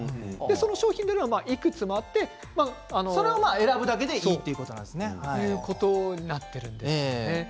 その商品がいくつもあってそれを選ぶだけでいいということになっているんですね。